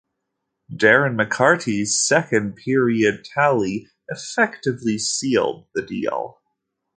Darren McCarty's second-period tally effectively sealed the deal.